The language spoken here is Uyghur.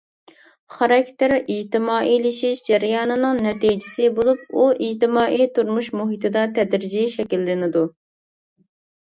خاراكتېر ئىجتىمائىيلىشىش جەريانىنىڭ نەتىجىسى بولۇپ، ئۇ ئىجتىمائىي تۇرمۇش مۇھىتىدا تەدرىجىي شەكىللىنىدۇ.